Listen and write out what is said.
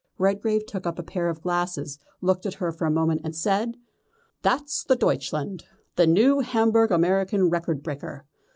Redgrave took up a pair of glasses, looked at her for a moment and said: "That's the Deutschland, the new Hamburg American record breaker.